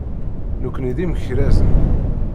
Nekkni d imekrazen.